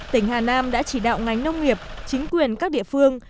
tỉnh hà nam đã chỉ đạo ngành nông nghiệp chính quyền các địa phương